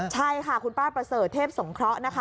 ใช่ค่ะคุณป้าประเสริฐเทพสงเคราะห์นะคะ